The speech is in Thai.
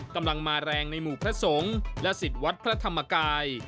กำลังมาแรงในหมู่พระสงฆ์และสิทธิ์วัดพระธรรมกาย